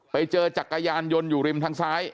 ไปเจอจักรยานยนต์อยู่ริมทางซ้าย